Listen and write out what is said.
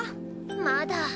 まだ。